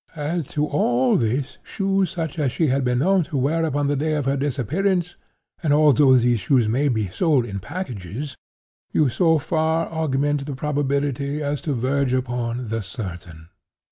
Add to all this shoes such as she had been known to wear upon the day of her disappearance, and, although these shoes may be 'sold in packages,' you so far augment the probability as to verge upon the certain.